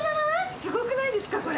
すごくないですか、これ。